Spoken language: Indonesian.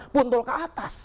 puntul ke atas